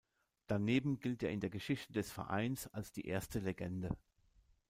Daneben gilt er in der Geschichte des Vereins als die erste „Legende“.